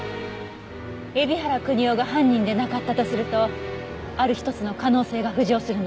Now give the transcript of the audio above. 海老原邦夫が犯人でなかったとするとある一つの可能性が浮上するの。